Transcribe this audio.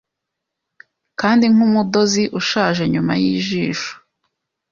Kandi nkumudozi ushaje nyuma yijisho